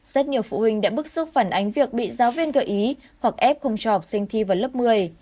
rất nhiều phụ huynh đã bức xúc phản ánh việc bị giáo viên gợi ý hoặc ép không cho học sinh thi vào lớp một mươi